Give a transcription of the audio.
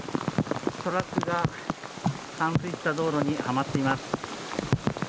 トラックが冠水した道路にはまっています。